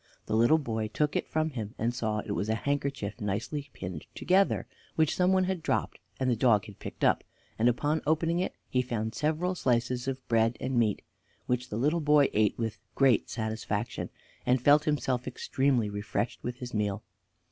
The little, boy took it from him, and saw it was a handkerchief nicely pinned together, which someone had dropped and the dog had picked up; and upon opening it he found several slices of bread and meat, which the little boy ate with great satisfaction, and felt himself extremely refreshed with his meal.